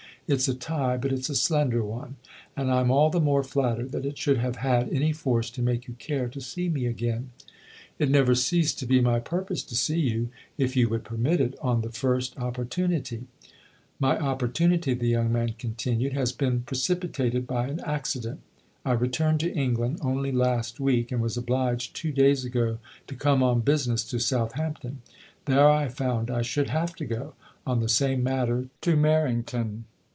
It's a tie, but it's a slender one, and I'm all the more flattered that it should have had any force to make you care to see me again." " It never ceased to be my purpose to see you, 120 THE OTHER HOUSE if you would permit it, on the first opportunity. My opportunity," the young man continued, " has been precipitated by an accident. I returned to England only last week, and was obliged two days ago to come on business to Southampton. There I found I should have to go, on the same matter, to Mar rington.